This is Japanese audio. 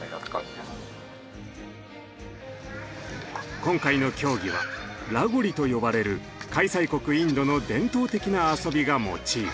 今回の競技は「ラゴリ」と呼ばれる開催国インドの伝統的な遊びがモチーフ。